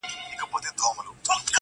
بیا یې د ایپي د مورچلونو ډېوې بلي کړې-